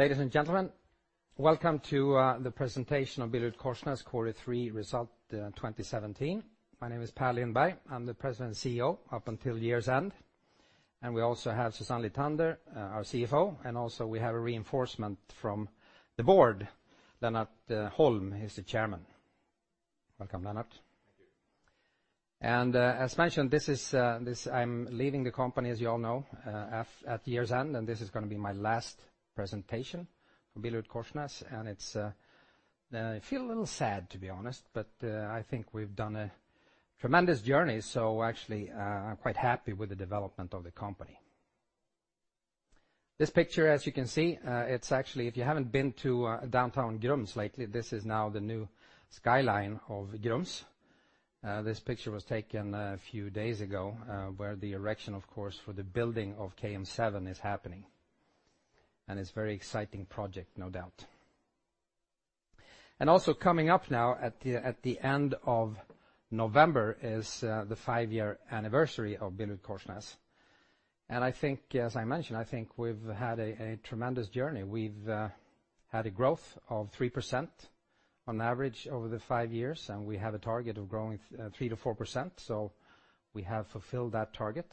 Ladies and gentlemen, welcome to the presentation of BillerudKorsnäs Quarter 3 Result 2017. My name is Per Lindberg. I'm the President and CEO up until year's end. We also have Susanne Lithander, our CFO, and we have a reinforcement from the board, Lennart Holm. He's the Chairman. Welcome, Lennart. Thank you. As mentioned, I'm leaving the company, as you all know, at year's end, and this is going to be my last presentation for BillerudKorsnäs, and I feel a little sad, to be honest, but I think we've done a tremendous journey, so actually, I'm quite happy with the development of the company. This picture, as you can see, if you haven't been to downtown Grums lately, this is now the new skyline of Grums. This picture was taken a few days ago, where the erection, of course, for the building of KM7 is happening, and it's very exciting project, no doubt. Also coming up now at the end of November is the five-year anniversary of BillerudKorsnäs, and I think, as I mentioned, I think we've had a tremendous journey. We've had a growth of 3% on average over the five years, and we have a target of growing 3%-4%, so we have fulfilled that target.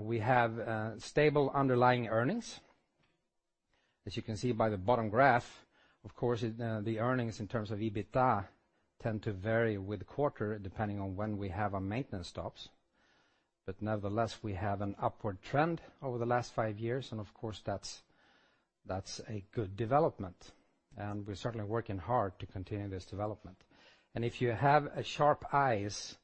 We have stable underlying earnings. As you can see by the bottom graph, of course, the earnings in terms of EBITDA tend to vary with quarter, depending on when we have our maintenance stops. Nevertheless, we have an upward trend over the last five years, and of course that's a good development, and we're certainly working hard to continue this development. If you have a sharp eyes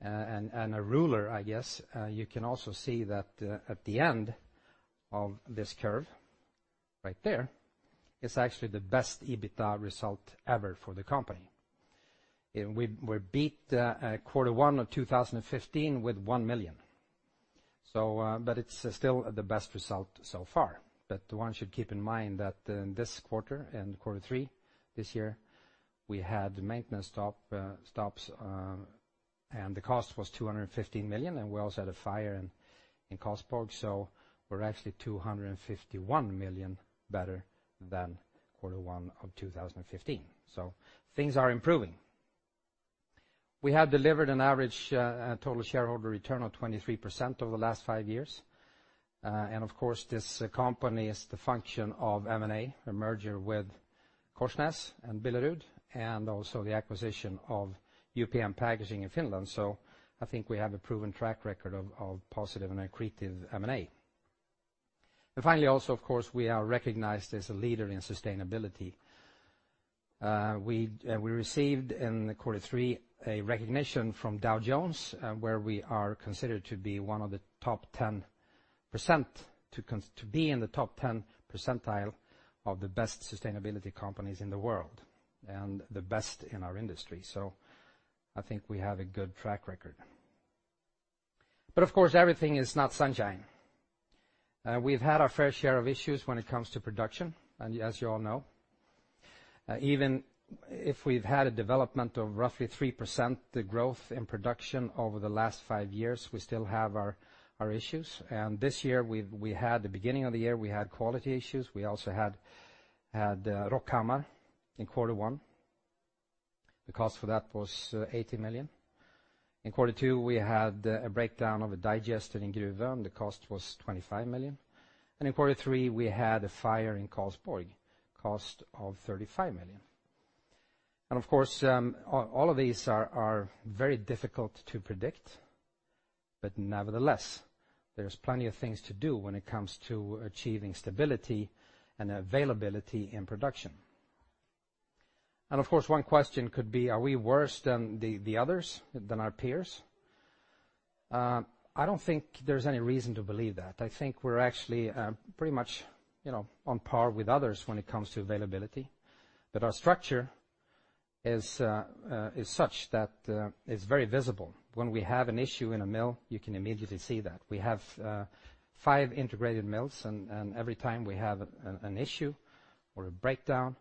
and a ruler, I guess, you can also see that at the end of this curve, right there, it's actually the best EBITDA result ever for the company. We beat Quarter 1 of 2015 with 1 million, but it's still the best result so far. One should keep in mind that in this quarter, in Q3 this year, we had maintenance stops, and the cost was 250 million, and we also had a fire in Karlsborg, so we're actually 251 million better than Q1 of 2015. Things are improving. We have delivered an average total shareholder return of 23% over the last five years. Of course, this company is the function of M&A, a merger with Korsnäs and Billerud, and also the acquisition of UPM Packaging in Finland. I think we have a proven track record of positive and accretive M&A. Finally, also, of course, we are recognized as a leader in sustainability. We received in Q3 a recognition from Dow Jones, where we are considered to be in the top 10 percentile of the best sustainability companies in the world and the best in our industry. I think we have a good track record. Of course, everything is not sunshine. We've had our fair share of issues when it comes to production, as you all know. Even if we've had a development of roughly 3% the growth in production over the last five years, we still have our issues. This year, the beginning of the year, we had quality issues. We also had Rockhammar in Q1. The cost for that was 80 million. In Q2, we had a breakdown of a digester in Gruvön. The cost was 25 million. In Q3, we had a fire in Karlsborg, cost of 35 million. Of course, all of these are very difficult to predict, but nevertheless, there's plenty of things to do when it comes to achieving stability and availability in production. Of course, one question could be, are we worse than the others, than our peers? I don't think there's any reason to believe that. I think we're actually pretty much on par with others when it comes to availability. But our structure is such that it's very visible. When we have an issue in a mill, you can immediately see that. We have five integrated mills, and every time we have an issue or a breakdown,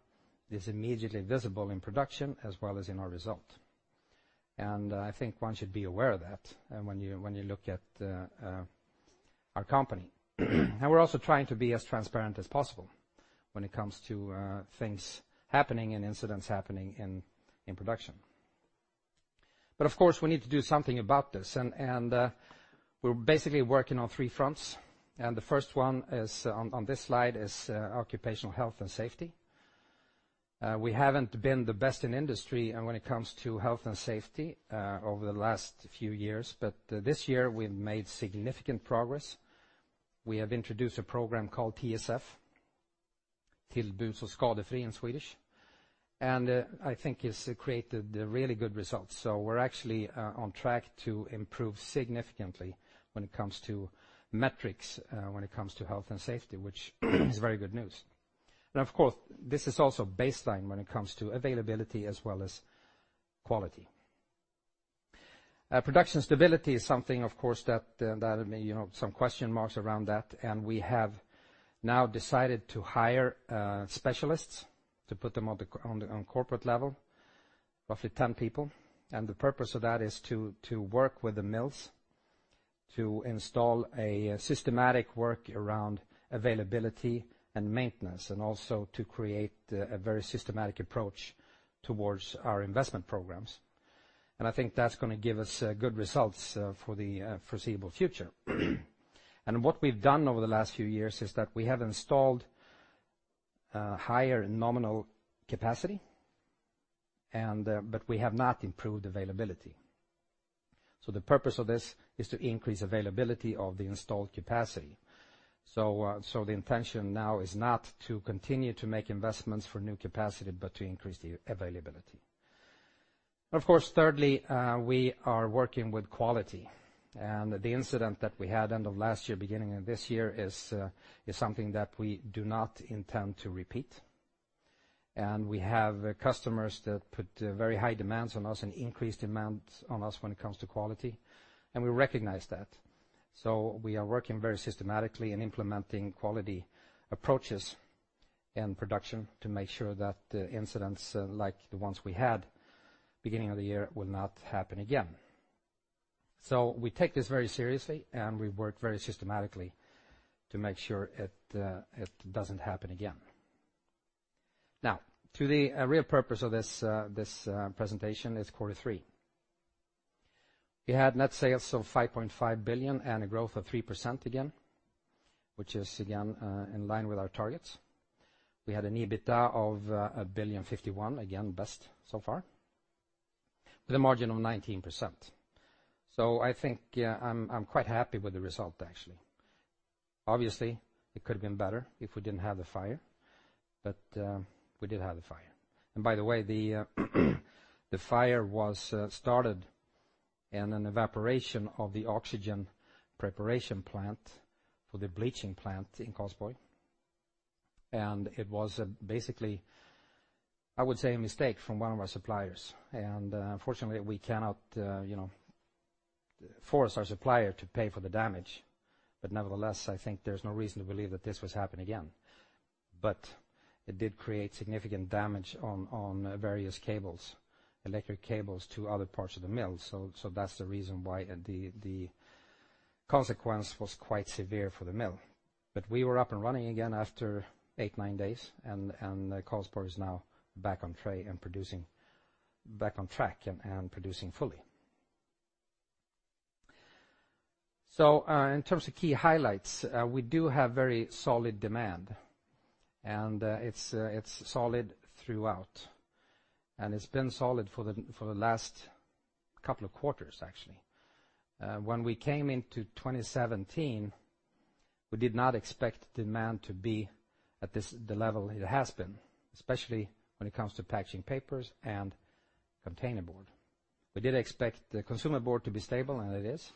it's immediately visible in production as well as in our result. I think one should be aware of that when you look at our company. We're also trying to be as transparent as possible when it comes to things happening and incidents happening in production. But of course, we need to do something about this, and we're basically working on three fronts. The first one on this slide is occupational health and safety. We haven't been the best in industry when it comes to health and safety over the last few years, but this year we've made significant progress. We have introduced a program called TSF, Tillbud Skadefri in Swedish, and I think it's created a really good result. So we're actually on track to improve significantly when it comes to metrics, when it comes to health and safety, which is very good news. Of course, this is also baseline when it comes to availability as well as quality. Production stability is something, of course, that there may some question marks around that, and we have now decided to hire specialists to put them on corporate level, roughly 10 people. The purpose of that is to work with the mills to install a systematic work around availability and maintenance, and also to create a very systematic approach towards our investment programs. I think that's going to give us good results for the foreseeable future. What we've done over the last few years is that we have installed higher nominal capacity, but we have not improved availability. The purpose of this is to increase availability of the installed capacity. The intention now is not to continue to make investments for new capacity, but to increase the availability. Of course, thirdly, we are working with quality, and the incident that we had end of last year, beginning of this year is something that we do not intend to repeat. We have customers that put very high demands on us and increased demands on us when it comes to quality, and we recognize that. We are working very systematically in implementing quality approaches and production to make sure that incidents like the ones we had beginning of the year will not happen again. We take this very seriously, and we work very systematically to make sure it doesn't happen again. Now, to the real purpose of this presentation is Q3. We had net sales of 5.5 billion and a growth of 3% again, which is again, in line with our targets. We had an EBITDA of 1.051 billion, again, best so far, with a margin of 19%. I think I'm quite happy with the result, actually. Obviously, it could have been better if we didn't have the fire, but we did have the fire. By the way, the fire was started in an evaporation of the oxygen preparation plant for the bleaching plant in Karlsborg. It was basically, I would say, a mistake from one of our suppliers. Unfortunately, we cannot force our supplier to pay for the damage. Nevertheless, I think there's no reason to believe that this would happen again. It did create significant damage on various cables, electric cables to other parts of the mill. That's the reason why the consequence was quite severe for the mill. We were up and running again after eight, nine days, and Karlsborg is now back on track and producing fully. In terms of key highlights, we do have very solid demand, and it's solid throughout. It's been solid for the last couple of quarters, actually. When we came into 2017, we did not expect demand to be at the level it has been, especially when it comes to Packaging Paper, and Containerboard. We did expect the Consumer Board to be stable, and it is,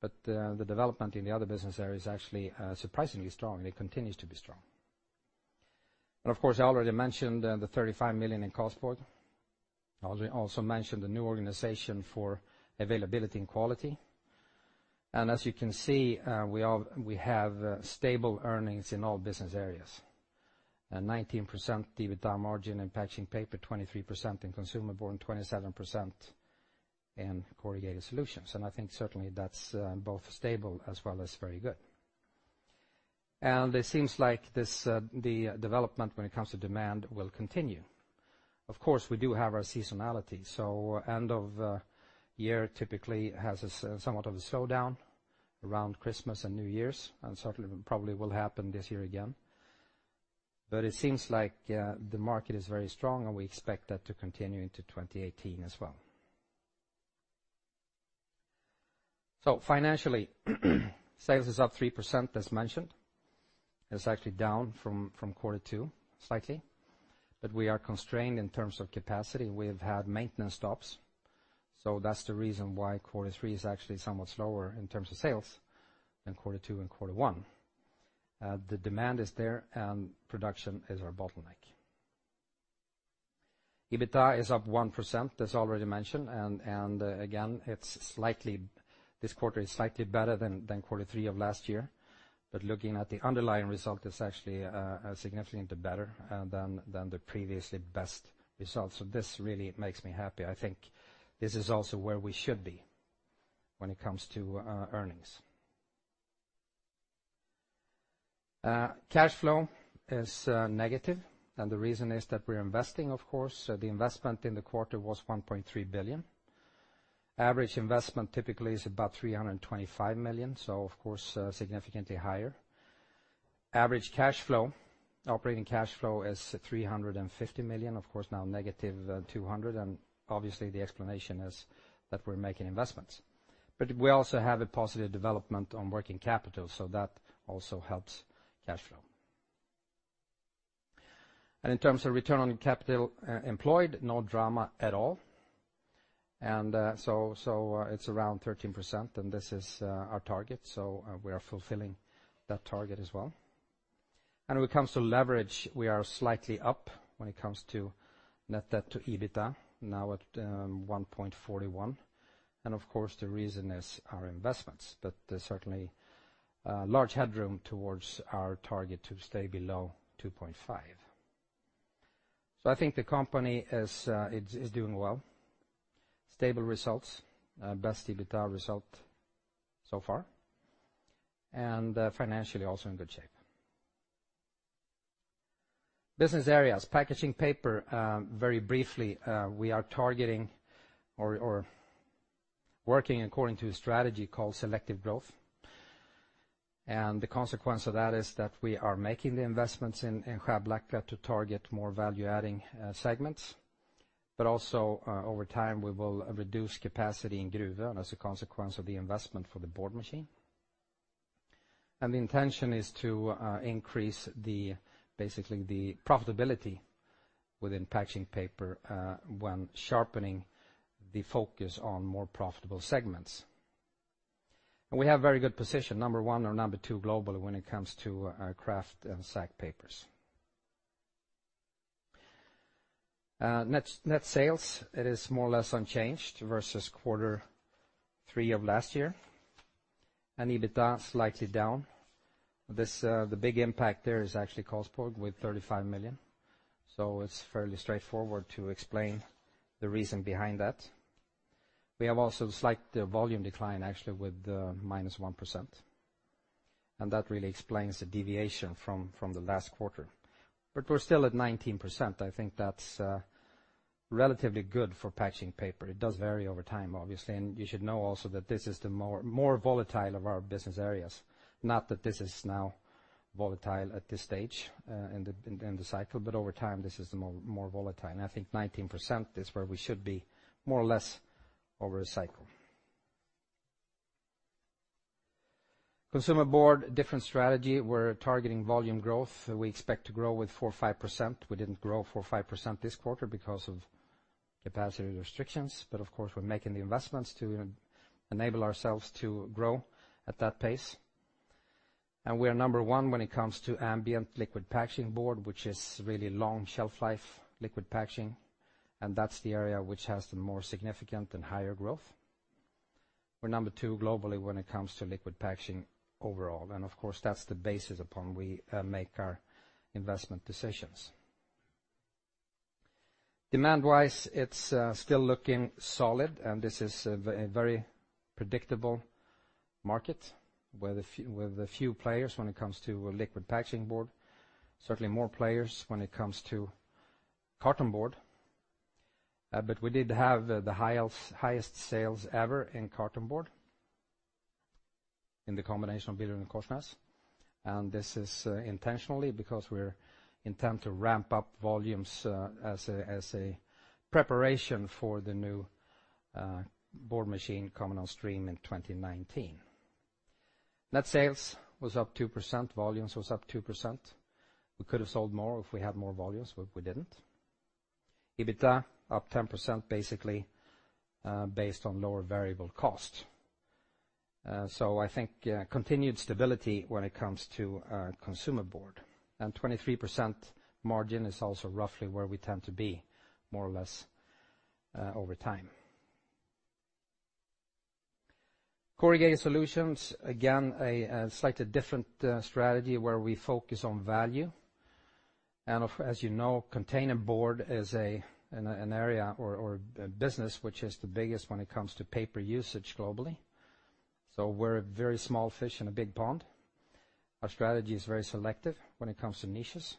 but the development in the other business area is actually surprisingly strong, and it continues to be strong. Of course, I already mentioned the 35 million in Karlsborg. I also mentioned the new organization for availability and quality. As you can see, we have stable earnings in all business areas. A 19% EBITDA margin in Packaging Paper, 23% in Consumer Board, and 27% in Corrugated Solutions. I think certainly that's both stable as well as very good. It seems like the development when it comes to demand will continue. Of course, we do have our seasonality, end of year typically has somewhat of a slowdown around Christmas and New Year's, and certainly probably will happen this year again. It seems like the market is very strong, and we expect that to continue into 2018 as well. Financially, sales is up 3%, as mentioned. It's actually down from Q2 slightly, but we are constrained in terms of capacity. We've had maintenance stops, that's the reason why Q3 is actually somewhat slower in terms of sales than Q2 and Q1. The demand is there and production is our bottleneck. EBITDA is up 1%, as already mentioned. Again, this quarter is slightly better than Q3 of last year, but looking at the underlying result, it's actually significantly better than the previously best results. This really makes me happy. I think this is also where we should be when it comes to earnings. Cash flow is negative, the reason is that we're investing, of course. The investment in the quarter was 1.3 billion. Average investment typically is about 325 million, of course, significantly higher. Average cash flow, operating cash flow is 350 million, of course now negative 200, obviously the explanation is that we're making investments. We also have a positive development on working capital, that also helps cash flow. In terms of return on capital employed, no drama at all. It's around 13%, this is our target, we are fulfilling that target as well. When it comes to leverage, we are slightly up when it comes to net debt to EBITDA, now at 1.41. Of course, the reason is our investments, there's certainly a large headroom towards our target to stay below 2.5. I think the company is doing well. Stable results, best EBITDA result so far, financially also in good shape. Business areas, Packaging Paper, very briefly, we are targeting or working according to a strategy called selective growth. The consequence of that is that we are making the investments in Skärblacka to target more value-adding segments, also over time, we will reduce capacity in Gruvön as a consequence of the investment for the board machine. The intention is to increase basically the profitability within Packaging Paper when sharpening the focus on more profitable segments. We have very good position, number one or number two globally when it comes to kraft and sack papers. Net sales, it is more or less unchanged versus quarter 3 of last year, EBITDA slightly down. The big impact there is actually Karlsborg with 35 million, it's fairly straightforward to explain the reason behind that. We have also slight volume decline, actually, with -1%, that really explains the deviation from the last quarter. We're still at 19%. I think that's relatively good for Packaging Paper. It does vary over time, obviously, you should know also that this is the more volatile of our business areas. Not that this is now volatile at this stage in the cycle, over time, this is more volatile. I think 19% is where we should be, more or less, over a cycle. Consumer Board, different strategy. We're targeting volume growth. We expect to grow with 4% or 5%. We didn't grow 4% or 5% this quarter because of capacity restrictions. Of course, we're making the investments to enable ourselves to grow at that pace. We are number one when it comes to ambient Liquid Packaging Board, which is really long shelf life liquid packaging, and that's the area which has the more significant and higher growth. We're number two globally when it comes to liquid packaging overall. Of course, that's the basis upon we make our investment decisions. Demand-wise, it's still looking solid, and this is a very predictable market with a few players when it comes to Liquid Packaging Board. Certainly more players when it comes to cartonboard. We did have the highest sales ever in cartonboard in the combination of Billerud and Korsnäs, and this is intentionally because we're intent to ramp up volumes as a preparation for the new board machine coming on stream in 2019. Net sales was up 2%, volumes was up 2%. We could have sold more if we had more volumes, but we didn't. EBITDA up 10% basically based on lower variable cost. I think continued stability when it comes to our Consumer Board, and 23% margin is also roughly where we tend to be, more or less, over time. Corrugated Solutions, again, a slightly different strategy where we focus on value. As you know, Containerboard is an area or a business which is the biggest when it comes to paper usage globally. We're a very small fish in a big pond. Our strategy is very selective when it comes to niches,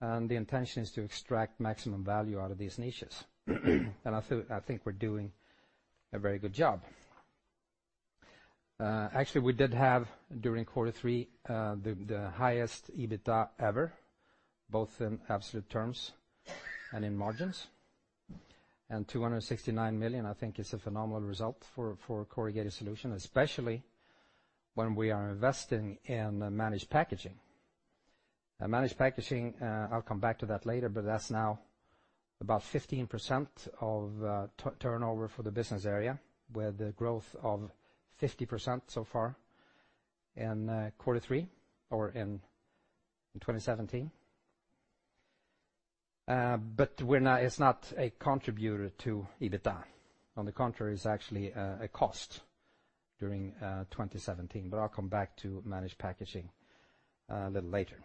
the intention is to extract maximum value out of these niches. I think we're doing a very good job. Actually, we did have, during quarter three, the highest EBITDA ever, both in absolute terms and in margins. 269 million, I think, is a phenomenal result for Corrugated Solutions, especially when we are investing in Managed Packaging. Managed Packaging, I'll come back to that later, but that's now about 15% of turnover for the business area, with the growth of 50% so far in quarter three or in 2017. It's not a contributor to EBITDA. On the contrary, it's actually a cost during 2017, I'll come back to Managed Packaging a little later.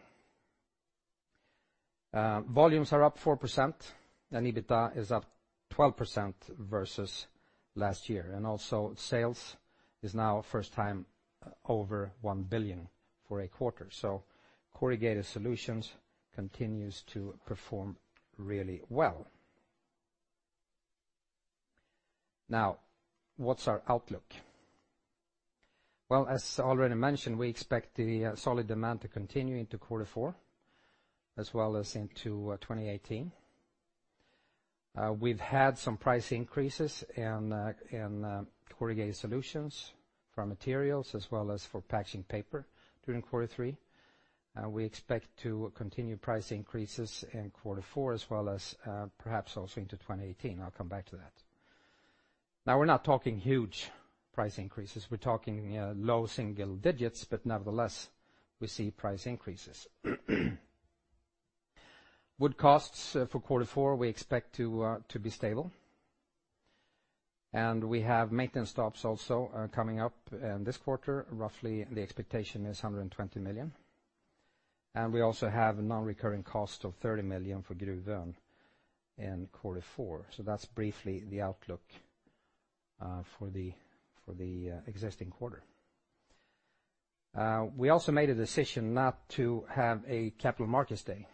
Volumes are up 4%, and EBITDA is up 12% versus last year. Also sales is now first time over 1 billion for a quarter. Corrugated Solutions continues to perform really well. Now, what's our outlook? Well, as already mentioned, we expect the solid demand to continue into quarter four as well as into 2018. We've had some price increases in Corrugated Solutions for materials as well as for Packaging Paper during quarter three. We expect to continue price increases in quarter four as well as perhaps also into 2018. I'll come back to that. Now, we're not talking huge price increases. We're talking low single digits, nevertheless, we see price increases. Wood costs for quarter four we expect to be stable. We have maintenance stops also coming up this quarter. Roughly, the expectation is 120 million. We also have a non-recurring cost of 30 million for Gruvön in quarter four. That's briefly the outlook for the existing quarter. We also made a decision not to have a capital markets day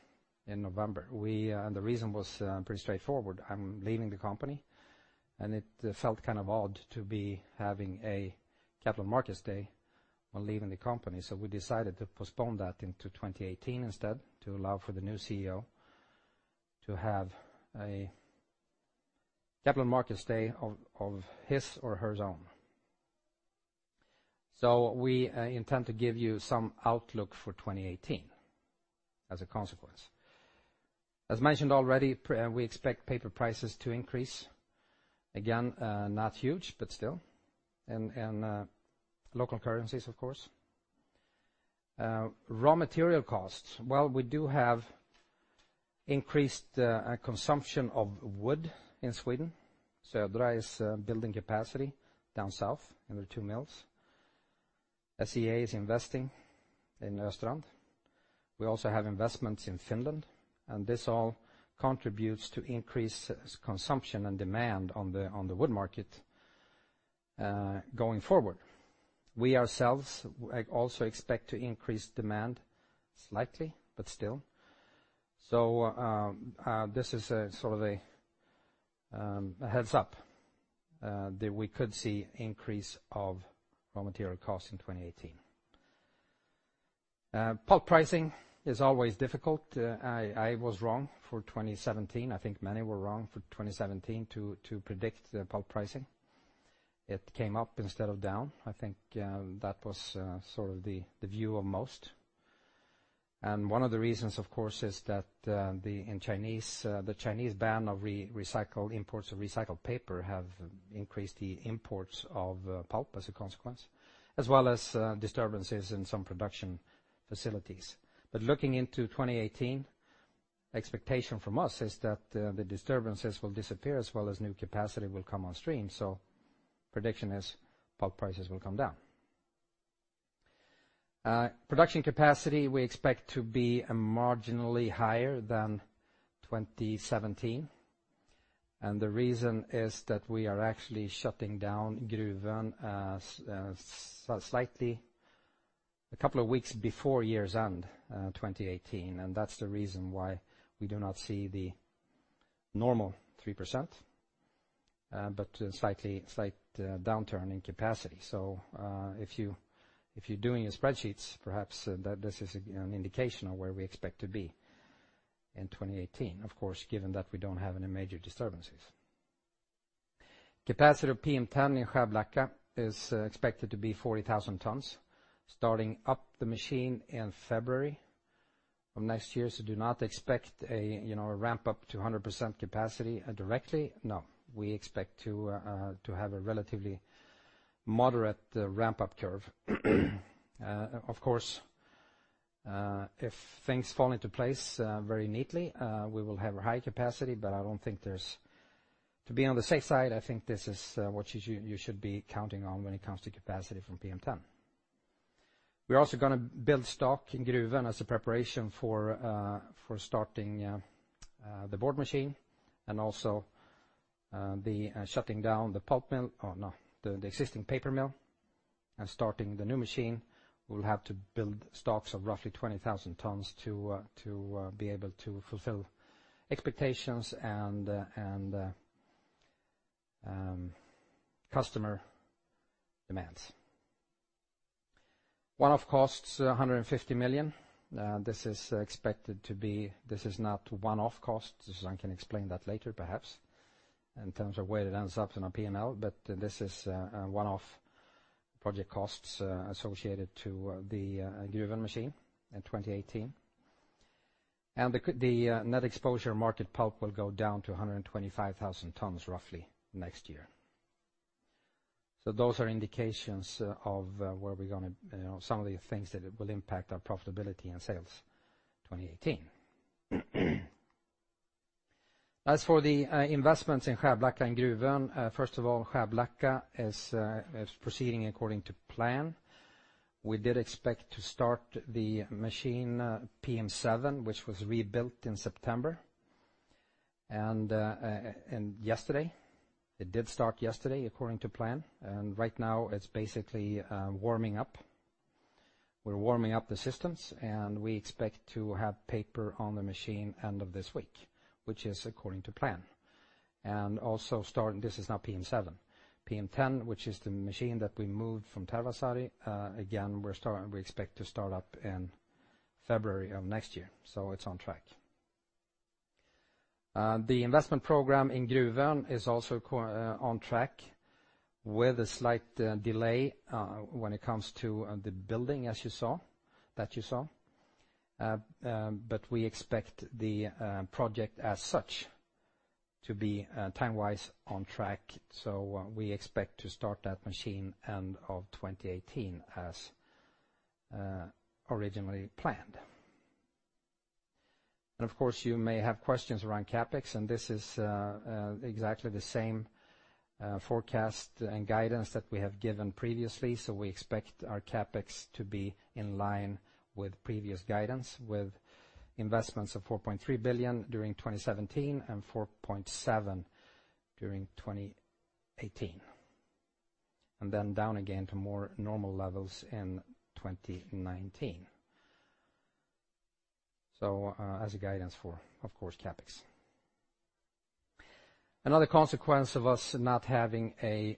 in November. The reason was pretty straightforward. I'm leaving the company, and it felt odd to be having a capital markets day while leaving the company. We decided to postpone that into 2018 instead, to allow for the new CEO to have a capital markets day of his or her own. We intend to give you some outlook for 2018 as a consequence. As mentioned already, we expect paper prices to increase. Again, not huge, but still, in local currencies, of course. Raw material costs. While we do have increased consumption of wood in Sweden, there is building capacity down south in the two mills. SCA is investing in Östrand. We also have investments in Finland, and this all contributes to increased consumption and demand on the wood market going forward. We ourselves also expect to increase demand slightly, but still. This is a heads-up that we could see increase of raw material costs in 2018. Pulp pricing is always difficult. I was wrong for 2017. I think many were wrong for 2017 to predict pulp pricing. It came up instead of down. I think that was the view of most. One of the reasons, of course, is that the Chinese ban of imports of recycled paper have increased the imports of pulp as a consequence, as well as disturbances in some production facilities. Looking into 2018, expectation from us is that the disturbances will disappear as well as new capacity will come on stream. Prediction is pulp prices will come down. Production capacity we expect to be marginally higher than 2017, and the reason is that we are actually shutting down Gruvön slightly a couple of weeks before year's end 2018, and that's the reason why we do not see the normal 3%, but slight downturn in capacity. If you're doing your spreadsheets, perhaps this is an indication of where we expect to be in 2018. Of course, given that we don't have any major disturbances. Capacity of PM10 in Skärblacka is expected to be 40,000 tons, starting up the machine in February of next year. Do not expect a ramp-up to 100% capacity directly. We expect to have a relatively moderate ramp-up curve. Of course, if things fall into place very neatly, we will have a high capacity, but to be on the safe side, I think this is what you should be counting on when it comes to capacity from PM10. We're also going to build stock in Gruvön as a preparation for starting the board machine and also the shutting down the existing paper mill and starting the new machine. We'll have to build stocks of roughly 20,000 tons to be able to fulfill expectations and customer demands. One-off costs, SEK 150 million. This is not one-off costs, as I can explain that later perhaps in terms of where it ends up in our P&L. This is one-off project costs associated to the Gruvön machine in 2018. The net exposure market pulp will go down to 125,000 tons roughly next year. Those are indications of some of the things that will impact our profitability and sales 2018. As for the investments in Skärblacka and Gruvön, first of all, Skärblacka is proceeding according to plan. We did expect to start the machine PM7, which was rebuilt in September, and yesterday. It did start yesterday according to plan, and right now it's basically warming up. We're warming up the systems, and we expect to have paper on the machine end of this week, which is according to plan. This is now PM7. PM10, which is the machine that we moved from Tervasaari, again, we expect to start up in February of next year. It's on track. The investment program in Gruvön is also on track with a slight delay when it comes to the building, as you saw. We expect the project as such to be time-wise on track. We expect to start that machine end of 2018 as originally planned. Of course, you may have questions around CapEx, and this is exactly the same forecast and guidance that we have given previously. We expect our CapEx to be in line with previous guidance, with investments of 4.3 billion during 2017 and 4.7 during 2018, and then down again to more normal levels in 2019. As a guidance for, of course, CapEx. Another consequence of us not having a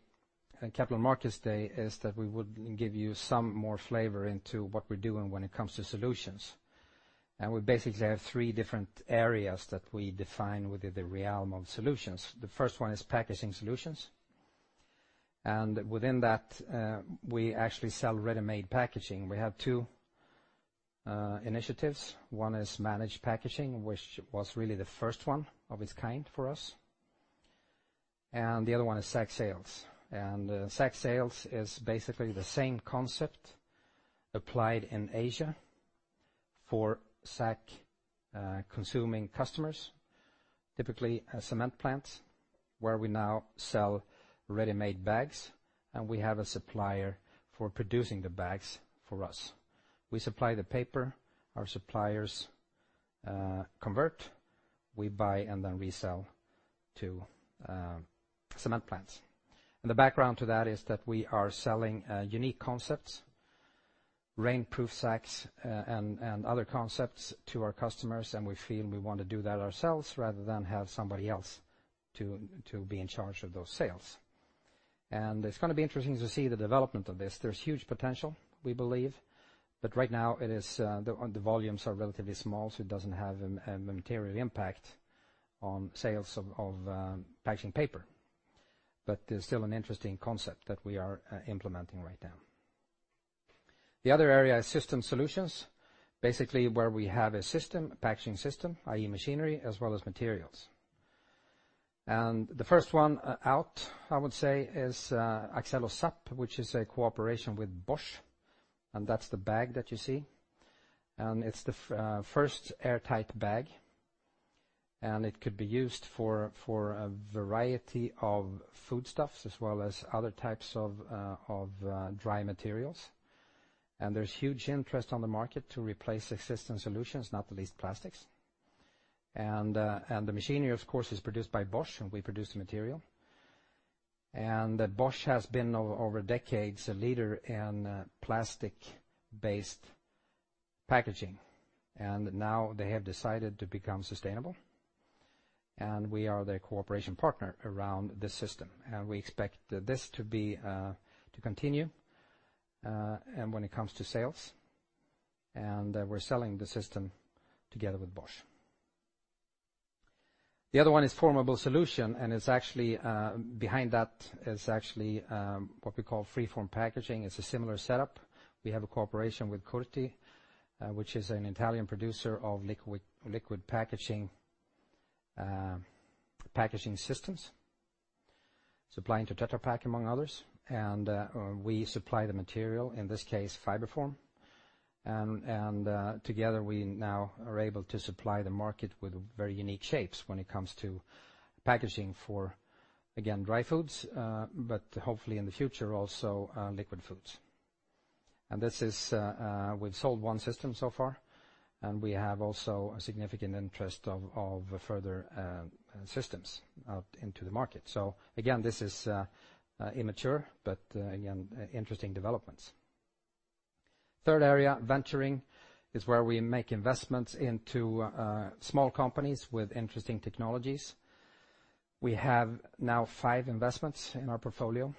capital markets day is that we would give you some more flavor into what we're doing when it comes to solutions. We basically have three different areas that we define within the realm of solutions. The first one is packaging solutions, and within that, we actually sell ready-made packaging. We have two initiatives. One is Managed Packaging, which was really the first one of its kind for us, and the other one is sack sales. Sack sales is basically the same concept applied in Asia for sack-consuming customers, typically cement plants, where we now sell ready-made bags, and we have a supplier for producing the bags for us. We supply the paper, our suppliers convert, we buy and then resell to cement plants. The background to that is that we are selling unique concepts, rainproof sacks and other concepts to our customers, and we feel we want to do that ourselves rather than have somebody else to be in charge of those sales. It's going to be interesting to see the development of this. There's huge potential, we believe, but right now the volumes are relatively small, so it doesn't have a material impact on sales of Packaging Paper. There's still an interesting concept that we are implementing right now. The other area is system solutions. Basically, where we have a system, a packaging system, i.e. machinery as well as materials. The first one out, I would say, is Axello, which is a cooperation with Bosch, and that's the bag that you see. It's the first airtight bag, and it could be used for a variety of foodstuffs as well as other types of dry materials. The machinery, of course, is produced by Bosch, and we produce the material. Bosch has been, over decades, a leader in plastic-based packaging, and now they have decided to become sustainable, and we are their cooperation partner around the system. We expect this to continue and when it comes to sales, and we're selling the system together with Bosch. The other one is formable solution, behind that is actually what we call FreeForm Packaging. It's a similar setup. We have a cooperation with Curti, which is an Italian producer of liquid packaging systems, supplying to Tetra Pak, among others. We supply the material, in this case, FibreForm. Together, we now are able to supply the market with very unique shapes when it comes to packaging for, again, dry foods, but hopefully in the future, also liquid foods. We've sold one system so far, and we have also a significant interest of further systems out into the market. Again, this is immature, but again, interesting developments. Third area, venturing, is where we make investments into small companies with interesting technologies. We have now five investments in our portfolio.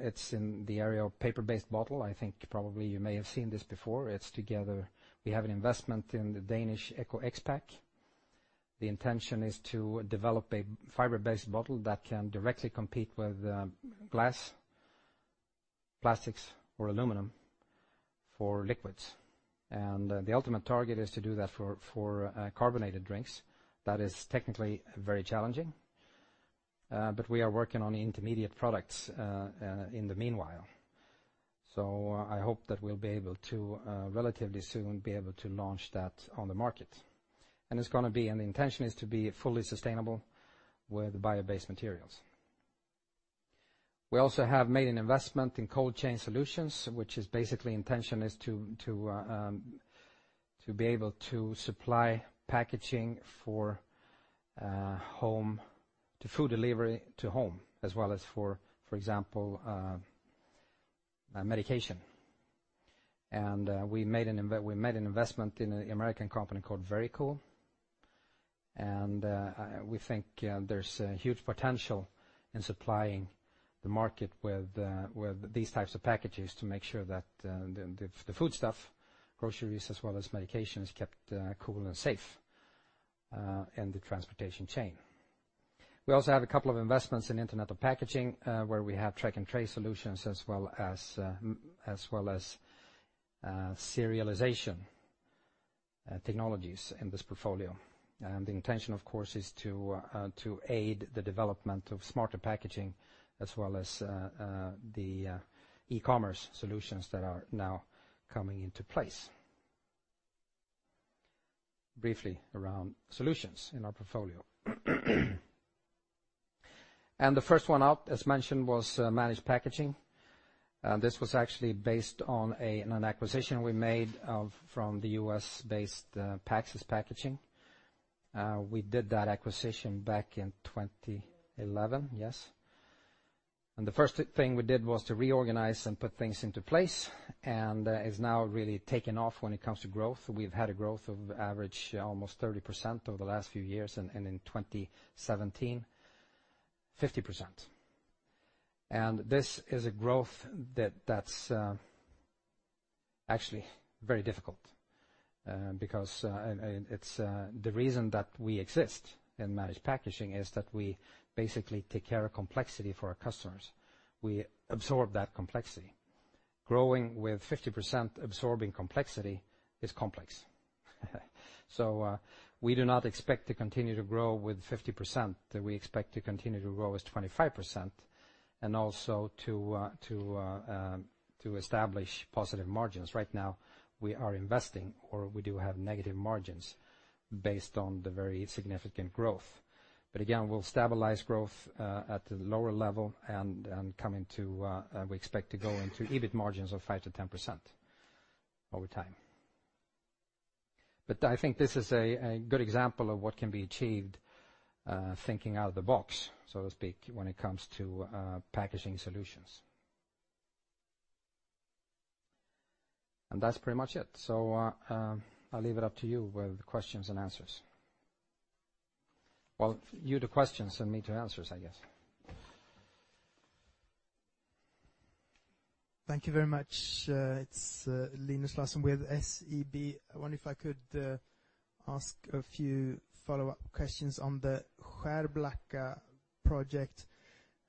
It's in the area of paper-based bottle. I think probably you may have seen this before. We have an investment in the Danish EcoXpac. The intention is to develop a fiber-based bottle that can directly compete with glass, plastics, or aluminum for liquids. The ultimate target is to do that for carbonated drinks. That is technically very challenging, but we are working on intermediate products in the meanwhile. I hope that we'll be able to relatively soon be able to launch that on the market. The intention is to be fully sustainable with bio-based materials. We also have made an investment in cold chain solutions, which is basically intention is to be able to supply packaging for food delivery to home, as well as, for example, medication. We made an investment in an American company called Vericool. We think there's huge potential in supplying the market with these types of packages to make sure that the foodstuff, groceries as well as medication, is kept cool and safe in the transportation chain. We also have a couple of investments in Internet of Packaging, where we have track and trace solutions as well as serialization technologies in this portfolio. The intention, of course, is to aid the development of smarter packaging as well as the e-commerce solutions that are now coming into place. Briefly around solutions in our portfolio. The first one out, as mentioned, was Managed Packaging. This was actually based on an acquisition we made from the U.S.-based Paccess packaging. We did that acquisition back in 2011. Yes. The first thing we did was to reorganize and put things into place, and is now really taking off when it comes to growth. We've had a growth of average almost 30% over the last few years, and in 2017, 50%. This is a growth that's actually very difficult, because the reason that we exist in Managed Packaging is that we basically take care of complexity for our customers. We absorb that complexity. Growing with 50% absorbing complexity is complex. We do not expect to continue to grow with 50%, we expect to continue to grow as 25% and also to establish positive margins. Right now, we are investing, or we do have negative margins based on the very significant growth. Again, we'll stabilize growth at the lower level and we expect to go into EBIT margins of 5%-10% over time. I think this is a good example of what can be achieved thinking out of the box, so to speak, when it comes to packaging solutions. That's pretty much it. I'll leave it up to you with questions and answers. You the questions and me to answers, I guess. Thank you very much. It's Linus Larsson with SEB. I wonder if I could ask a few follow-up questions on the Skärblacka project.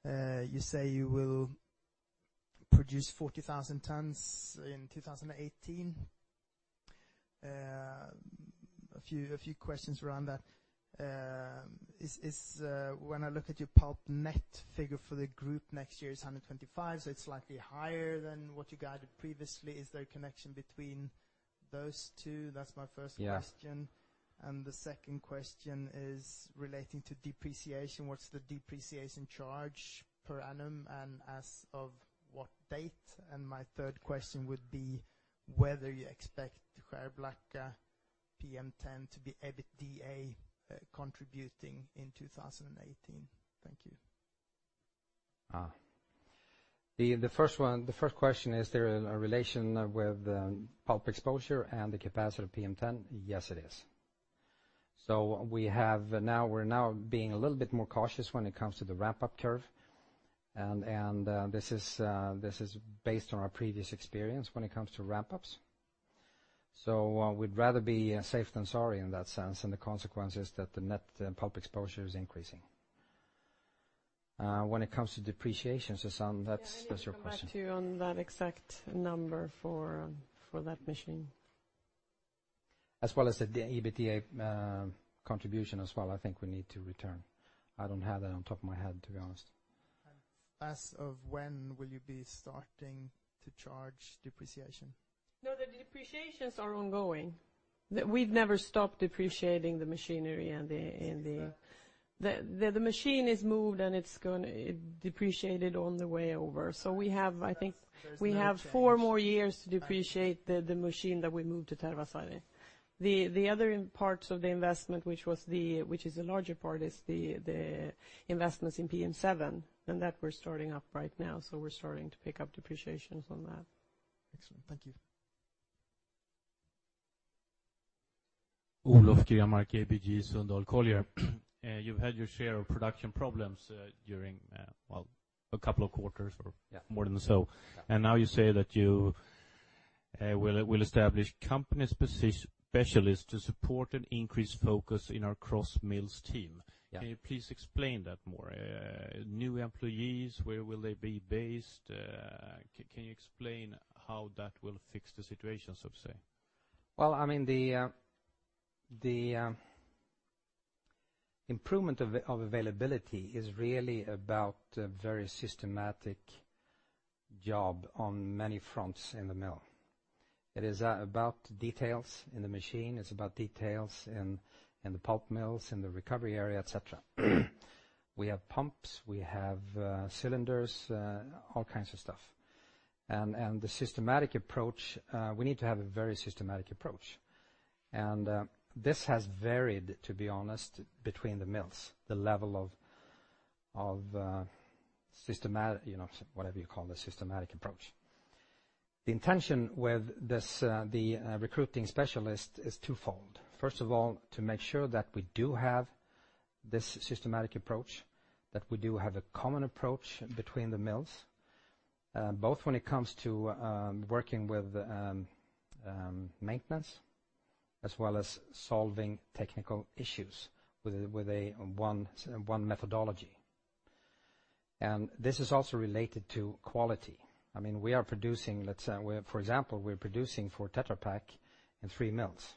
You say you will produce 40,000 tons in 2018. A few questions around that. When I look at your pulp net figure for the group next year is 125, it's slightly higher than what you guided previously. Is there a connection between those two? That's my first question. Yeah. The second question is relating to depreciation. What's the depreciation charge per annum, and as of what date? My third question would be whether you expect Skärblacka PM10 to be EBITDA contributing in 2018. Thank you. The first question, is there a relation with pulp exposure and the capacity of PM10? Yes, it is. We're now being a little bit more cautious when it comes to the ramp-up curve, this is based on our previous experience when it comes to ramp-ups. We'd rather be safe than sorry in that sense, the consequence is that the net pulp exposure is increasing. When it comes to depreciation, Susanne, that's your question. Yeah, I need to come back to you on that exact number for that machine. As well as the EBITDA contribution as well. I think we need to return. I don't have that on top of my head, to be honest. As of when will you be starting to charge depreciation? No, the depreciations are ongoing. We've never stopped depreciating the machinery. Yeah. The machine is moved, and it depreciated on the way over. We have There's no change We have four more years to depreciate the machine that we moved to Skärblacka. The other parts of the investment, which is the larger part, is the investments in PM7, and that we're starting up right now. We're starting to pick up depreciations on that. Excellent. Thank you. Olof Grenmark, ABG Sundal Collier. You've had your share of production problems during, well, a couple of quarters or- Yeah more than so. Yeah. Now you say that you will establish company specialists to support an increased focus in our cross mills team. Yeah. Can you please explain that more? New employees, where will they be based? Can you explain how that will fix the situation, so to say? Well, the improvement of availability is really about a very systematic job on many fronts in the mill. It is about details in the machine. It's about details in the pulp mills, in the recovery area, et cetera. We have pumps, we have cylinders, all kinds of stuff. The systematic approach, we need to have a very systematic approach. This has varied, to be honest, between the mills, the level of whatever you call a systematic approach. The intention with the recruiting specialist is twofold. First of all, to make sure that we do have this systematic approach, that we do have a common approach between the mills, both when it comes to working with maintenance as well as solving technical issues with one methodology. This is also related to quality. For example, we're producing for Tetra Pak in three mills.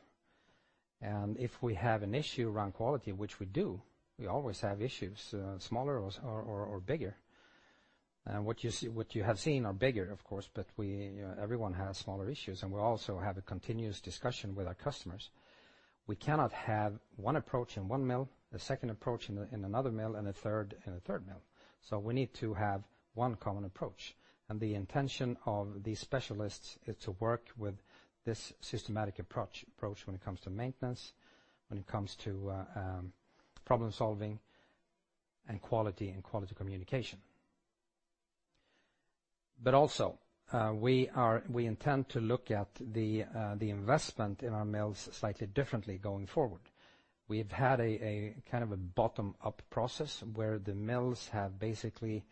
If we have an issue around quality, which we do, we always have issues. What you have seen are bigger, of course, but everyone has smaller issues, and we also have a continuous discussion with our customers. We cannot have one approach in one mill, the second approach in another mill, and a third in a third mill. We need to have one common approach, and the intention of these specialists is to work with this systematic approach when it comes to maintenance, when it comes to problem-solving, and quality and quality communication. Also, we intend to look at the investment in our mills slightly differently going forward. We've had a bottom-up process where the mills have basically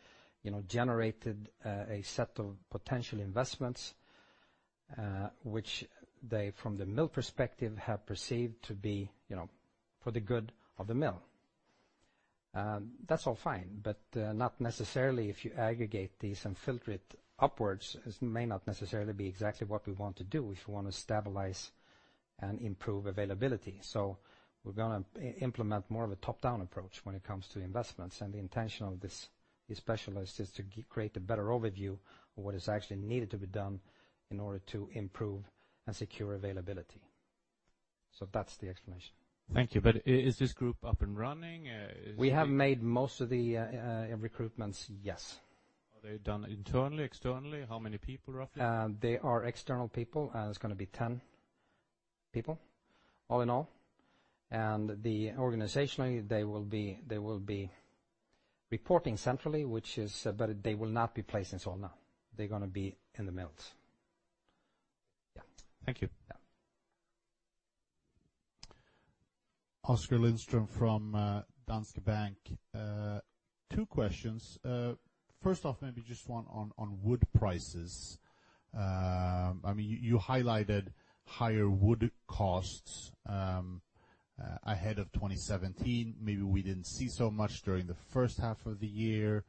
generated a set of potential investments, which they, from the mill perspective, have perceived to be for the good of the mill. That's all fine, but not necessarily if you aggregate these and filter it upwards, as may not necessarily be exactly what we want to do if we want to stabilize and improve availability. We're going to implement more of a top-down approach when it comes to investments, and the intention of these specialists is to create a better overview of what is actually needed to be done in order to improve and secure availability. That's the explanation. Thank you. Is this group up and running? We have made most of the recruitments, yes. Are they done internally, externally? How many people, roughly? They are external people. It's going to be 10 people, all in all. Organizationally, they will be reporting centrally, but they will not be placed in Solna. They're going to be in the mills. Yeah. Thank you. Yeah. Oskar Lindström from Danske Bank. Two questions. First off, maybe just one on wood prices. You highlighted higher wood costs ahead of 2017. Maybe we didn't see so much during the first half of the year.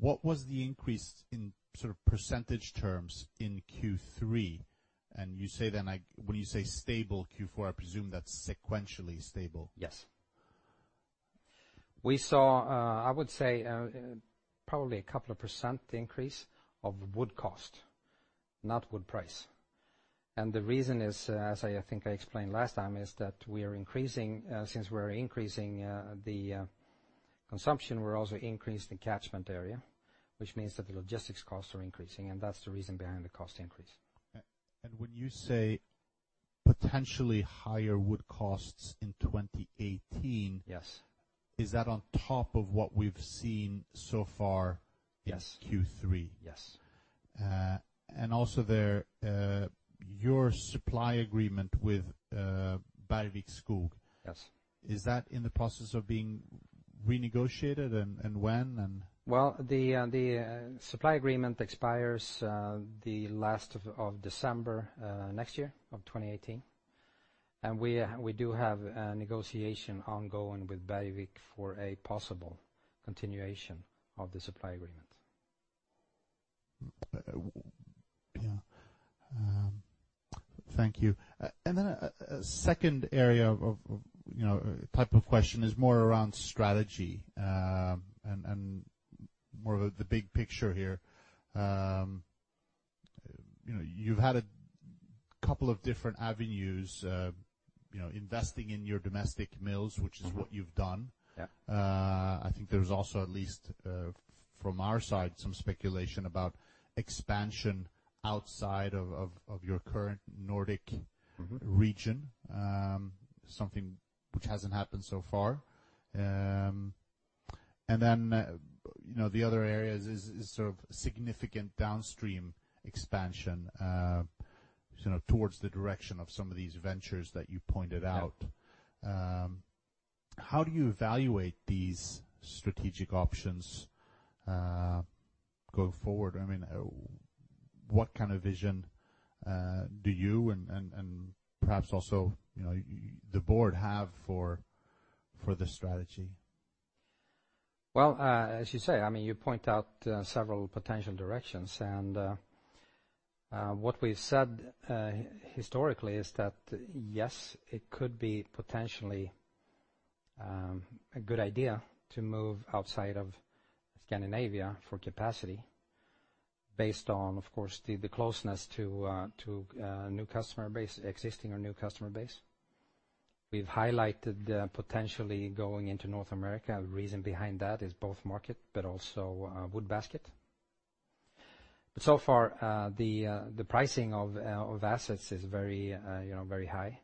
What was the increase in percentage terms in Q3? When you say stable Q4, I presume that's sequentially stable. Yes. We saw, I would say, probably a couple of % increase of wood cost, not wood price. The reason is, as I think I explained last time, is that since we are increasing the consumption, we're also increasing the catchment area, which means that the logistics costs are increasing, and that's the reason behind the cost increase. When you say potentially higher wood costs in 2018- Yes is that on top of what we've seen so far- Yes Q3? Yes. Also there, your supply agreement with Bergvik Skog- Yes is that in the process of being renegotiated, and when? The supply agreement expires the last of December next year, of 2018. We do have a negotiation ongoing with Bergvik for a possible continuation of the supply agreement. Yeah. Thank you. Then a 2 type of question is more around strategy, and more of the big picture here. You've had a couple of different avenues, investing in your domestic mills, which is what you've done. Yeah. I think there's also, at least from our side, some speculation about expansion outside of your current Nordic region. Something which hasn't happened so far. The other area is sort of significant downstream expansion towards the direction of some of these ventures that you pointed out. Yeah. How do you evaluate these strategic options going forward? What kind of vision do you and perhaps also the board have for the strategy? Well, as you say, you point out several potential directions, what we've said historically is that, yes, it could be potentially a good idea to move outside of Scandinavia for capacity based on, of course, the closeness to existing or new customer base. We've highlighted potentially going into North America. The reason behind that is both market but also wood basket. So far, the pricing of assets is very high.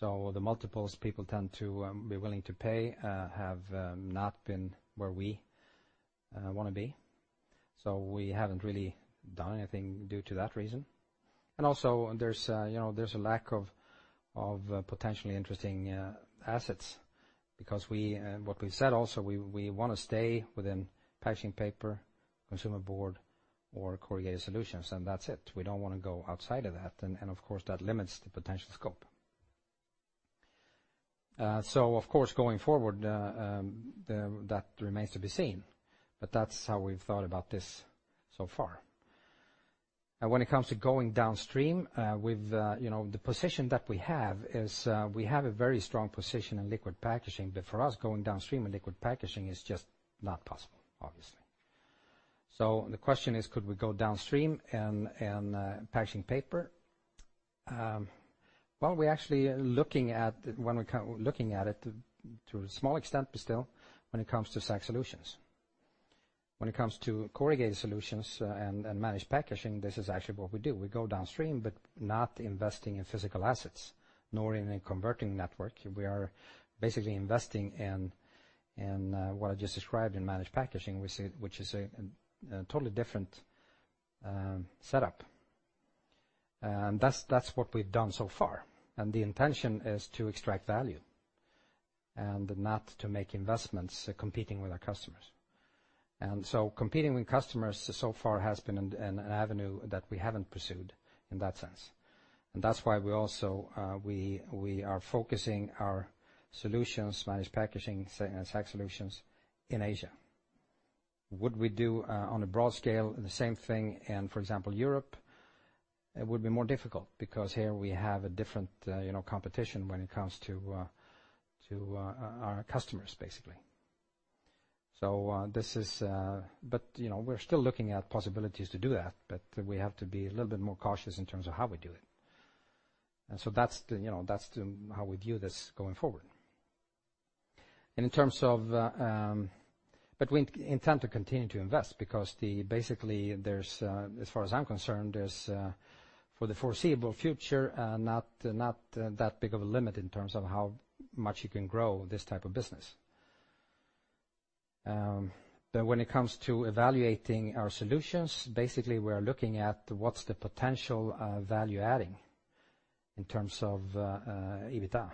The multiples people tend to be willing to pay have not been where we want to be. We haven't really done anything due to that reason. Also, there's a lack of potentially interesting assets because what we've said also, we want to stay within Packaging Paper, Consumer Board, or Corrugated Solutions, and that's it. We don't want to go outside of that, of course, that limits the potential scope. Of course, going forward, that remains to be seen, but that's how we've thought about this so far. When it comes to going downstream, the position that we have is we have a very strong position in liquid packaging, for us, going downstream in liquid packaging is just not possible, obviously. The question is, could we go downstream in Packaging Paper? Well, we're actually looking at it to a small extent, but still, when it comes to sack solutions. When it comes to Corrugated Solutions and Managed Packaging, this is actually what we do. We go downstream, not investing in physical assets, nor in a converting network. We are basically investing in what I just described in Managed Packaging, which is a totally different setup. That's what we've done so far. The intention is to extract value and not to make investments competing with our customers. Competing with customers so far has been an avenue that we haven't pursued in that sense. That's why we are focusing our solutions, Managed Packaging, sack solutions in Asia. Would we do on a broad scale the same thing in, for example, Europe? It would be more difficult because here we have a different competition when it comes to our customers, basically. We're still looking at possibilities to do that, but we have to be a little bit more cautious in terms of how we do it. That's how we view this going forward. We intend to continue to invest because basically, as far as I'm concerned, there's for the foreseeable future, not that big of a limit in terms of how much you can grow this type of business. When it comes to evaluating our solutions, basically we're looking at what's the potential value adding in terms of EBITDA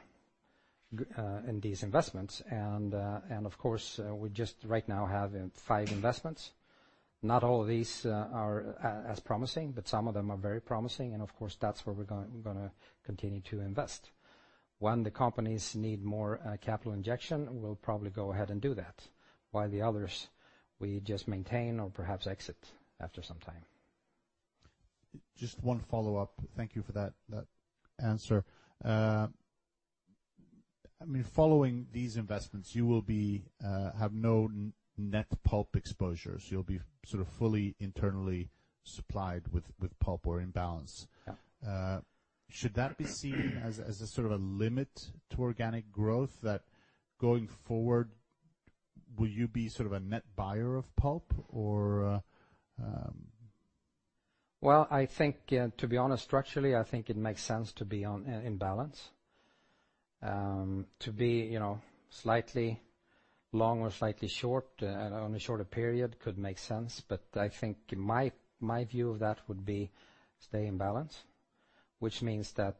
in these investments. Of course, we just right now have five investments. Not all of these are as promising, but some of them are very promising, and of course, that's where we're going to continue to invest. When the companies need more capital injection, we'll probably go ahead and do that. While the others we just maintain or perhaps exit after some time. Just one follow-up. Thank you for that answer. Following these investments, you will have no net pulp exposures. You'll be sort of fully internally supplied with pulp or in balance. Yeah. Should that be seen as a sort of a limit to organic growth, that going forward will you be sort of a net buyer of pulp or Well, to be honest, structurally, I think it makes sense to be in balance. To be slightly long or slightly short on a shorter period could make sense, but I think my view of that would be stay in balance, which means that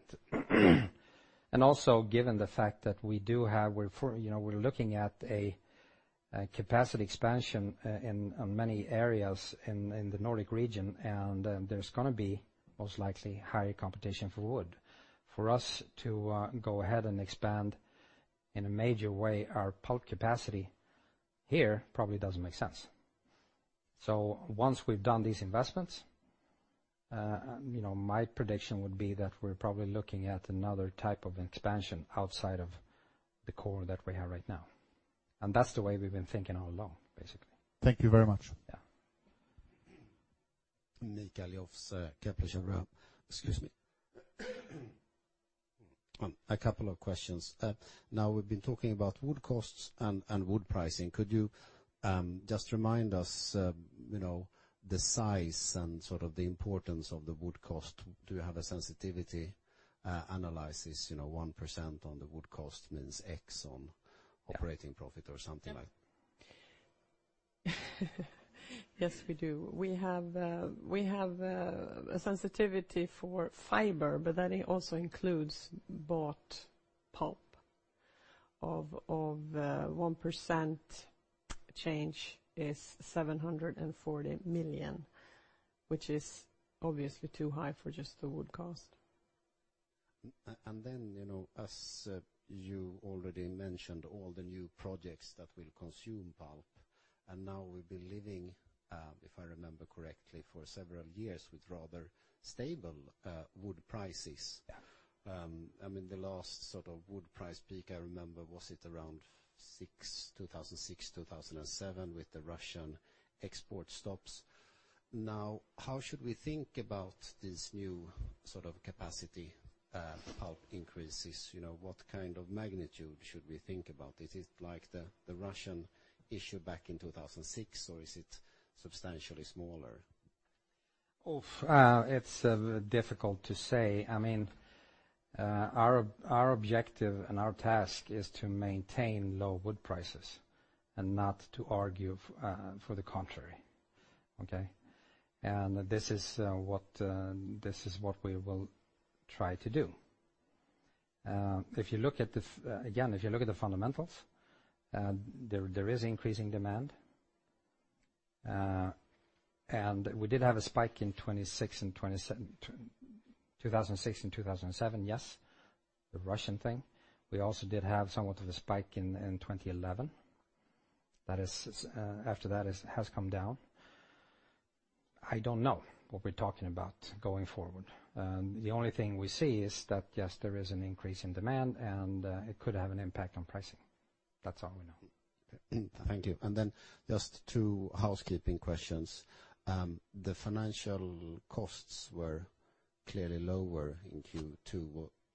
given the fact that we're looking at a capacity expansion in many areas in the Nordic region, there's going to be most likely higher competition for wood. For us to go ahead and expand in a major way our pulp capacity here probably doesn't make sense. Once we've done these investments, my prediction would be that we're probably looking at another type of expansion outside of the core that we have right now. That's the way we've been thinking all along, basically. Thank you very much. Yeah. Mikael Joffsen, Kepler Cheuvreux. Excuse me. A couple of questions. We've been talking about wood costs and wood pricing. Could you just remind us the size and sort of the importance of the wood cost? Do you have a sensitivity analysis 1% on the wood cost means X on operating profit or something like- Yeah. Yes, we do. We have a sensitivity for fiber, but that also includes bought pulp of 1% change is 740 million, which is obviously too high for just the wood cost. As you already mentioned, all the new projects that will consume pulp, and now we've been living, if I remember correctly, for several years with rather stable wood prices. Yeah. The last wood price peak I remember was it around 2006, 2007 with the Russian export stops. How should we think about this new capacity pulp increases? What kind of magnitude should we think about? Is it like the Russian issue back in 2006, or is it substantially smaller? It's difficult to say. Our objective and our task is to maintain low wood prices and not to argue for the contrary, okay? This is what we will try to do. Again, if you look at the fundamentals, there is increasing demand. We did have a spike in 2006 and 2007, yes, the Russian thing. We also did have somewhat of a spike in 2011. That is, after that has come down. I don't know what we're talking about going forward. The only thing we see is that, yes, there is an increase in demand, and it could have an impact on pricing. That's all we know. Thank you. Just two housekeeping questions. The financial costs were clearly lower in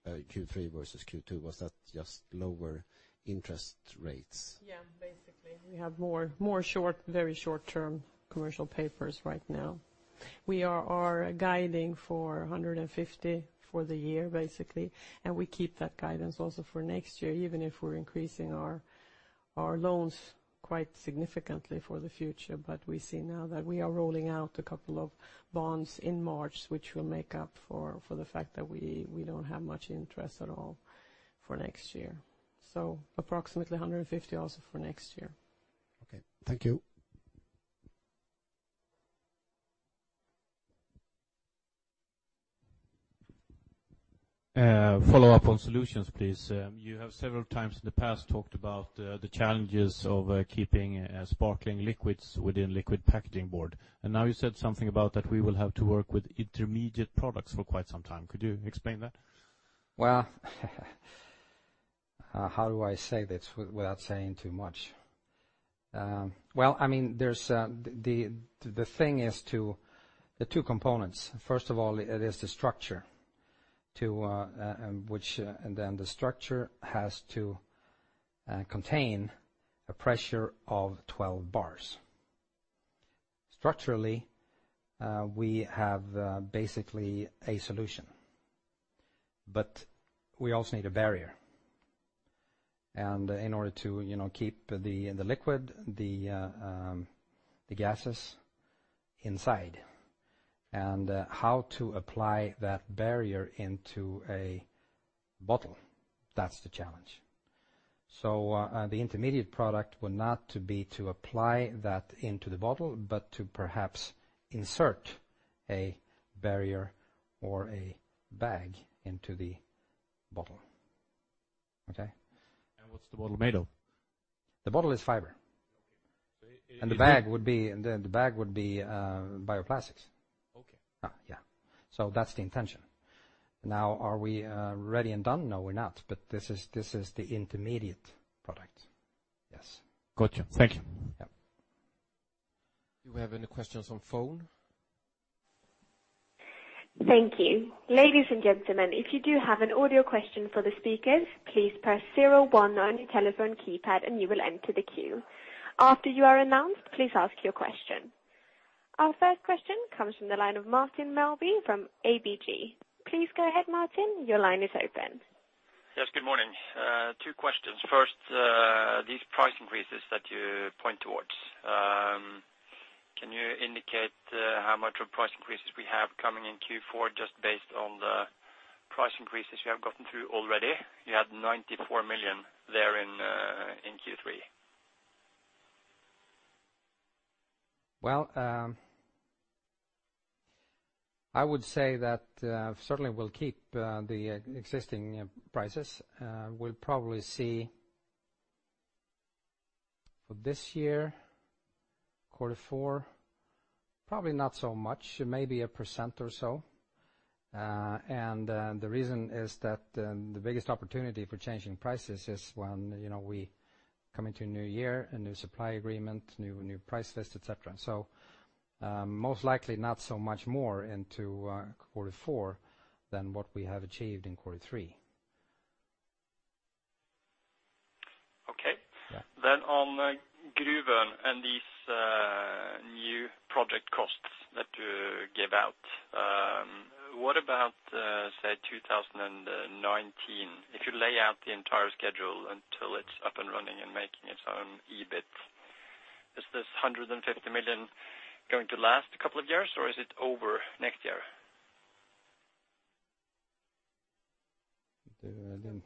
Q3 versus Q2. Was that just lower interest rates? Basically, we have more very short-term commercial papers right now. We are guiding for 150 for the year basically, we keep that guidance also for next year, even if we're increasing our loans quite significantly for the future. We see now that we are rolling out a couple of bonds in March, which will make up for the fact that we don't have much interest at all for next year. Approximately 150 also for next year. Okay. Thank you. Follow-up on solutions, please. You have several times in the past talked about the challenges of keeping sparkling liquids within Liquid Packaging Board, now you said something about that we will have to work with intermediate products for quite some time. Could you explain that? How do I say this without saying too much? The thing is to the two components. First of all, it is the structure, the structure has to contain a pressure of 12 bars. Structurally, we have basically a solution. We also need a barrier, in order to keep the liquid, the gases inside, how to apply that barrier into a bottle, that's the challenge. The intermediate product will not to be to apply that into the bottle, but to perhaps insert a barrier or a bag into the bottle. Okay? What's the bottle made of? The bottle is fiber. Okay. The bag would be bioplastics. Okay. Yeah. That's the intention. Now, are we ready and done? No, we're not. This is the intermediate product. Yes. Got you. Thank you. Yeah. Do we have any questions on phone? Thank you. Ladies and gentlemen, if you do have an audio question for the speakers, please press 01 on your telephone keypad and you will enter the queue. After you are announced, please ask your question. Our first question comes from the line of Martin Melbye from ABG. Please go ahead, Martin. Your line is open. Yes, good morning. Two questions. First, these price increases that you point towards, can you indicate how much of price increases we have coming in Q4 just based on the price increases you have gotten through already? You had 94 million there in Q3. Well, I would say that certainly we'll keep the existing prices. We'll probably see for this year, quarter four, probably not so much, maybe 1% or so. The reason is that the biggest opportunity for changing prices is when we come into a new year, a new supply agreement, new price list, et cetera. Most likely, not so much more into quarter four than what we have achieved in quarter three. Okay. Yeah. On Gruvön and these new project costs that you gave out. What about, say, 2019? If you lay out the entire schedule until it's up and running and making its own EBIT. Is this 150 million going to last a couple of years, or is it over next year?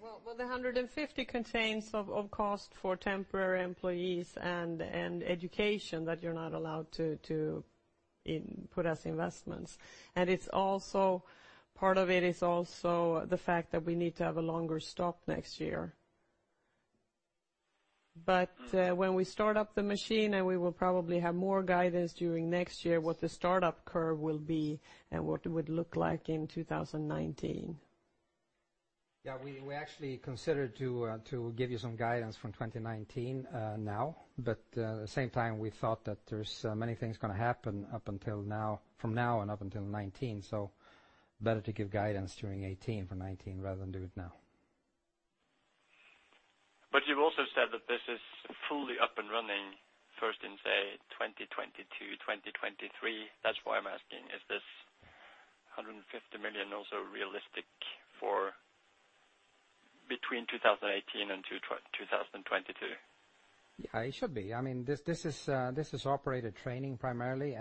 Well, the 150 contains of cost for temporary employees and education that you're not allowed to input as investments. Part of it is also the fact that we need to have a longer stop next year. When we start up the machine, and we will probably have more guidance during next year, what the startup curve will be and what it would look like in 2019. Yeah, we actually considered to give you some guidance from 2019 now. At the same time, we thought that there's many things going to happen from now and up until 2019, better to give guidance during 2018 for 2019 rather than do it now. You've also said that this is fully up and running first in, say, 2022, 2023. That's why I'm asking, is this 150 million also realistic for between 2018 and 2022? It should be. This is operator training primarily,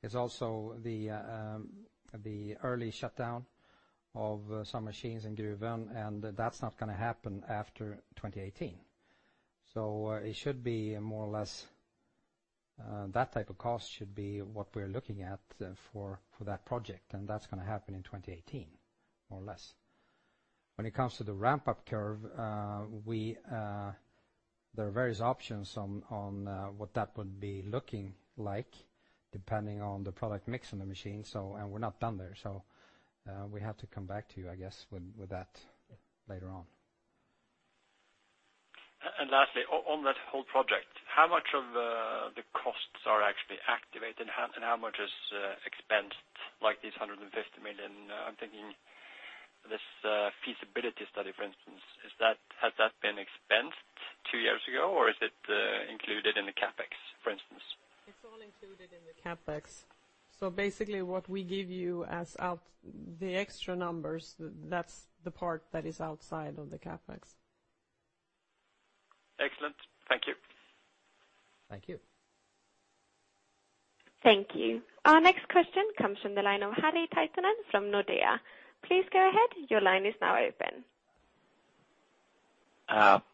it's also the early shutdown of some machines in Gruvön, that's not going to happen after 2018. It should be more or less that type of cost should be what we're looking at for that project, that's going to happen in 2018, more or less. When it comes to the ramp-up curve, there are various options on what that would be looking like, depending on the product mix in the machine. We're not done there. We have to come back to you, I guess, with that later on. Lastly, on that whole project, how much of the costs are actually activated and how much is expensed, like this 150 million? I'm thinking this feasibility study, for instance, has that been expensed two years ago, or is it included in the CapEx, for instance? It's all included in the CapEx. Basically what we give you as the extra numbers, that's the part that is outside of the CapEx. Excellent. Thank you. Thank you. Thank you. Our next question comes from the line of Harri Taittonen from Nordea. Please go ahead, your line is now open.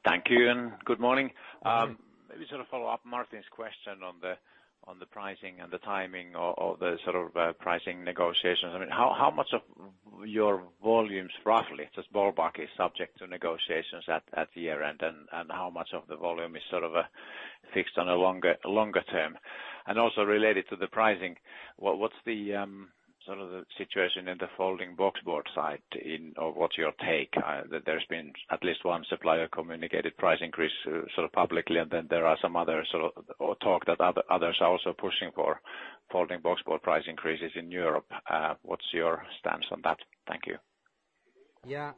Thank you. Good morning. Good morning. Maybe sort of follow up Martin's question on the pricing and the timing, or the sort of pricing negotiations. I mean, how much of your volumes, roughly, just ballpark, is subject to negotiations at year-end? How much of the volume is sort of fixed on a longer term? Also related to the pricing, what's the situation in the Folding Boxboard side? Or what's your take? There's been at least one supplier communicated price increase sort of publicly. There are some other talk that others are also pushing for Folding Boxboard price increases in Europe. What's your stance on that? Thank you. Yeah.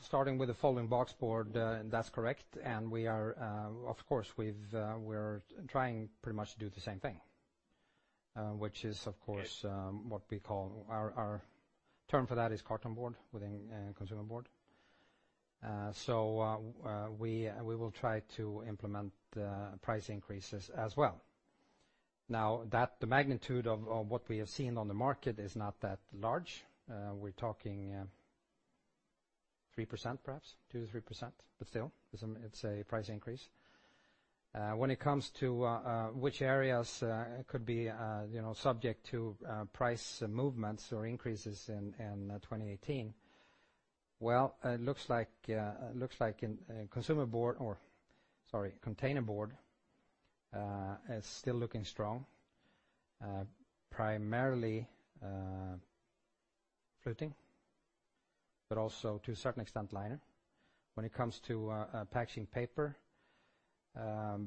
Starting with the Folding Boxboard, that's correct. We are, of course, trying pretty much to do the same thing. Which is, of course, our term for that is cartonboard within Consumer Board. We will try to implement price increases as well. The magnitude of what we have seen on the market is not that large. We're talking 3%, perhaps 2%-3%. Still, it's a price increase. When it comes to which areas could be subject to price movements or increases in 2018. It looks like in Consumer Board, or sorry, Containerboard is still looking strong. Primarily Fluting, but also to a certain extent, Liner. When it comes to Packaging Paper,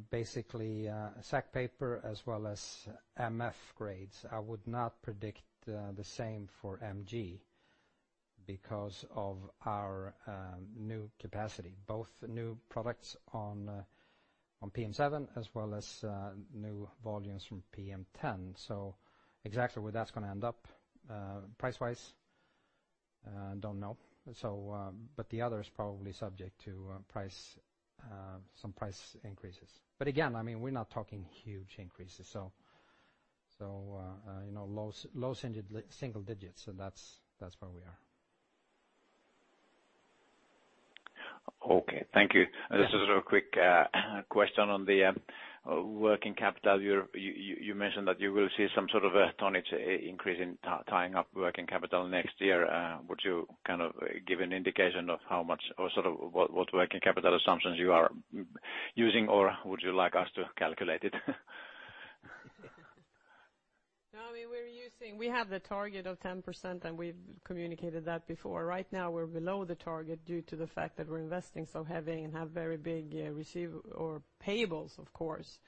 basically sack paper as well as MF grades. I would not predict the same for MG because of our new capacity, both new products on PM7 as well as new volumes from PM10. Exactly where that's going to end up price-wise, don't know. The other is probably subject to some price increases. Again, we're not talking huge increases. Low single digits, that's where we are. Okay. Thank you. Yeah. Just a sort of quick question on the working capital. You mentioned that you will see some sort of a tonnage increase in tying up working capital next year. Would you give an indication of how much, or what working capital assumptions you are using, or would you like us to calculate it? No, we have the target of 10%, and we've communicated that before. Right now we're below the target due to the fact that we're investing so heavy and have very big payables, of course,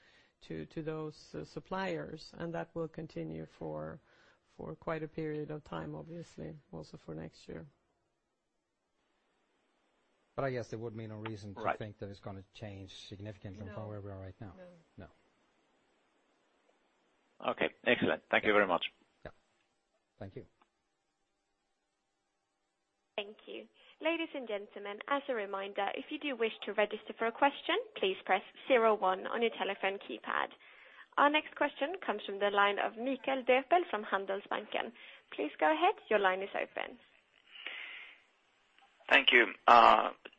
to those suppliers. That will continue for quite a period of time, obviously, also for next year. I guess there would be no reason to think that it's going to change significantly from where we are right now. No. No. Okay. Excellent. Thank you very much. Yeah. Thank you. Thank you. Ladies and gentlemen, as a reminder, if you do wish to register for a question, please press 01 on your telephone keypad. Our next question comes from the line of Mikael Doepel from Handelsbanken. Please go ahead, your line is open. Thank you.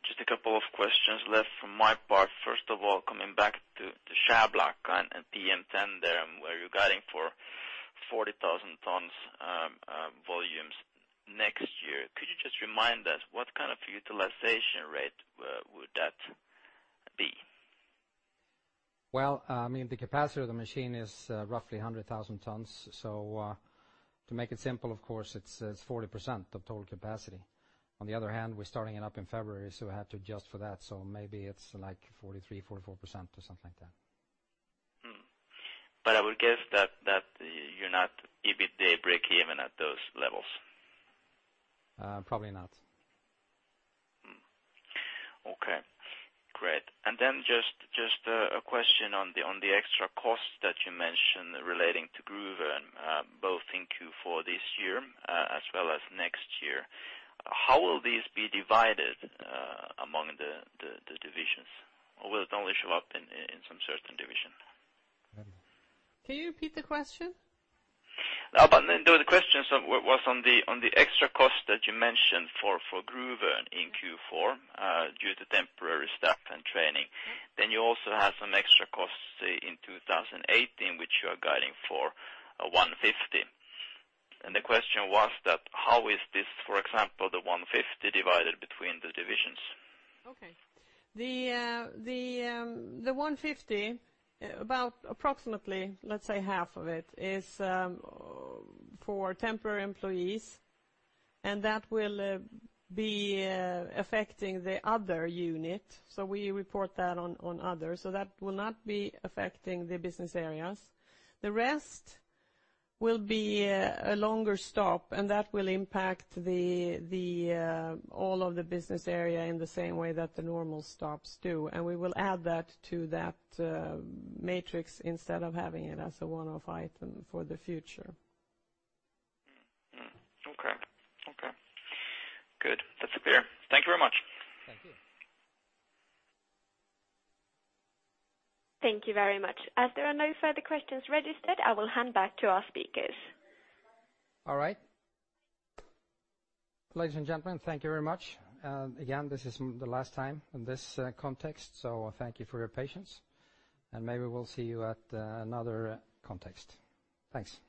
Just a couple of questions left from my part. First of all, coming back to the Skärblacka and PM10 there, where you're guiding for 40,000 tons volumes next year. Could you just remind us what kind of utilization rate would that be? Well, the capacity of the machine is roughly 100,000 tons. To make it simple, of course, it's 40% of total capacity. On the other hand, we're starting it up in February, we have to adjust for that. Maybe it's like 43%, 44% or something like that. I would guess that you're not EBITDA breakeven at those levels. Probably not. Okay. Great. Then just a question on the extra cost that you mentioned relating to Gruvön, both in Q4 this year as well as next year. How will these be divided among the divisions? Will it only show up in some certain division? Can you repeat the question? The question was on the extra cost that you mentioned for Gruvön in Q4 due to temporary staff and training. You also had some extra costs in 2018, which you are guiding for 150. The question was that how is this, for example, the 150 divided between the divisions? Okay. The 150, about approximately, let's say, half of it is for temporary employees, that will be affecting the other unit. We report that on others. That will not be affecting the business areas. The rest will be a longer stop, that will impact all of the business area in the same way that the normal stops do. We will add that to that matrix instead of having it as a one-off item for the future. Okay. Good. That's clear. Thank you very much. Thank you. Thank you very much. As there are no further questions registered, I will hand back to our speakers. All right. Ladies and gentlemen, thank you very much. Again, this is the last time in this context, so thank you for your patience. Maybe we'll see you at another context. Thanks.